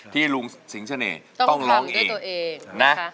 ที่ลุงสิงษะเนยต้องร้องเองต้องพร้อมด้วยตัวเอง